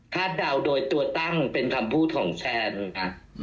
เดาโดยตัวตั้งเป็นคำพูดของแซนนะคะ